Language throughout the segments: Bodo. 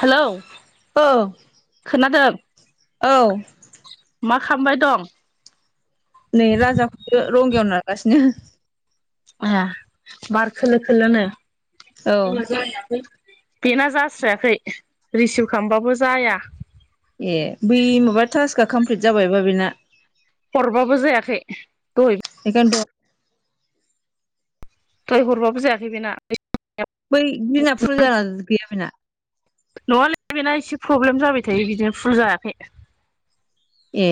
हेलौ ओं खोनादों। औ मा खामबाय दं? नै राजाखौसो रंगियायाव नारगासिनो। ए बार खोलो खोलोनो। औ बेना जास्रायाखै रिसिभ खालामबाबो जाया। ए बै माबा थास्कआ कमप्लिट जाबायबा बेना। हरबाबो जायाखै दहाय। एखायनथ'। दहाय हरबाबो जायाखै बेना। बै [unintelligible] नङालै बेना एसे प्रब्लेम जाबाय थायो बिदिनो फुल जायाखै। ए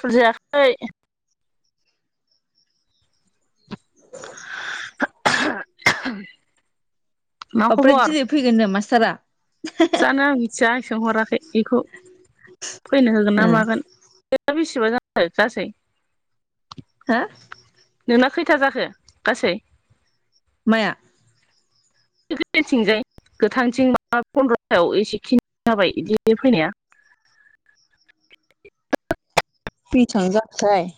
फुल जायाखै। [inaudible] मा आमफ्राय खबर दिनै फैगोननो मासथारा? जानो आं मिथिया आं सोंहराखै इखौ फैनो होगोन ओ ना मागोन। [unintelligible] हो? नोंना खैथा जाखो गासै? माया? [unintelligible] गोथांथिं माबा फन्द्रथायाव एसेखिनि जाबाय बिदि फैनाया। बेसेबां जाखोथाय।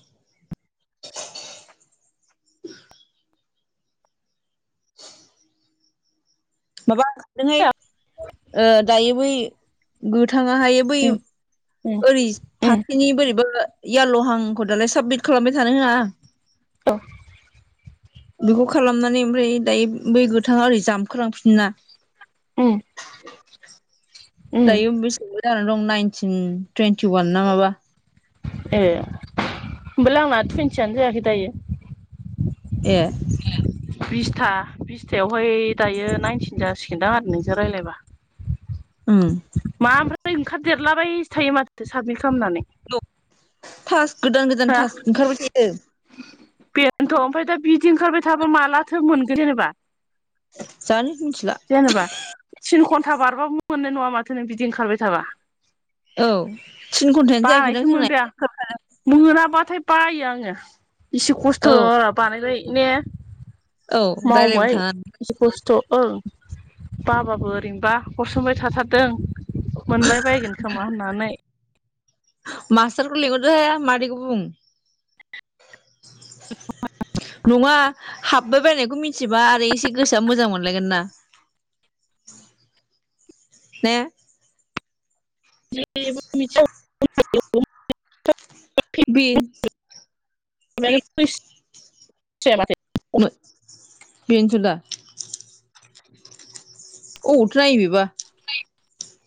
माबा खारदोंहाय ओ दायो बै गोथाङा हायो बै उम उम ओरै उम फाफ्लिनि बोरैबा यल'हांखौ दालाय साबमिट खालामबाय थानो होया। औ बेखौ खालामनानै ओमफ्राय दायो बै गोथाङा ओरै जामखो लांफिनोना। ओम दायो बेसेबा जानानै दं नाइनटिन टुइन्टि वान ना माबा। ए होमबालाय आंना टुइन्टियानो जायाखै दायो। ए बिसथा बिसथायावहाय दायो नाइनटिन जासिगोनदां आरो नोंजों रायलायबा। उम मा ओमफ्राय ओंखारदेरलाबायसो थायो माथो साबमिट खालामनानै। थास्क गोदान गोदान हो थास ओंखारबाय थायो। बेनोथ' ओमफ्राय दा बिदि ओंखारबाय थाबा मालाथो मोनगोन जेनेबा। जानो मिथिला। जेनोबा थिन घन्टा बारबाबो मोननाय नङा माथो नों बिदि ओंखारबाय थाबा। औ थिन घन्टायानो जायाखैदां बानायसो जोंना मोनबाय आं [inaudible] मोनाबाथाय बायो आङो इसे औ खस्थ'ल' बानायलाय ने। औ रायज्लायबाय मावबाय थाङा एसे खस्थ' ओं। बाबाबो ओरैनोबा हरसोमबाय थाथारदों मोनबाय बायगोन खोमा होननानै। मासटारखौ लिंहरदोहाय मादैखौ बुं। नङा हाब बाय बायनायखौ मिथिबा आरो एसे गोसोआ मोजां मोनलायगोन ना। ने? [unintelligible] बे [unintelligible] जाया माथो। मो-बेनोथ दा। अबावथो नायो बेबा। [inaudible]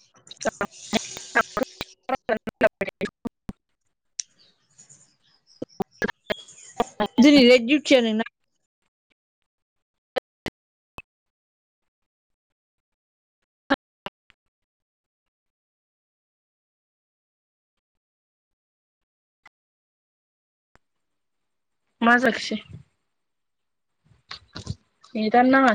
[unintelligible] दिनिलाय दिवथिया नोंना मा जाखोसै? नेदानो नाङा।